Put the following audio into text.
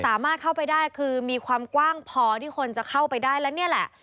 สามารถเข้าไปได้คือมีความกว้างพอที่คนจะเข้าไปได้แล้วนี่แหละ